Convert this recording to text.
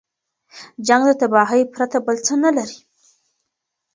جنګ د تباهۍ پرته بل څه نه لري.